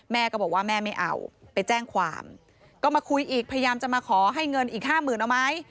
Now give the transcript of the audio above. แม่ก็บอกว่าแม่ไม่เอาไปแจ้งความก็มาคุยอีกพยายามจะมาขอให้เงินอีกห้าหมื่นเอาไหม